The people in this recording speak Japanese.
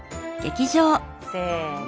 せの。